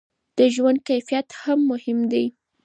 د ژوند کیفیت هم مهم دی.